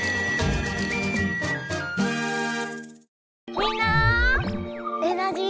みんなエナジー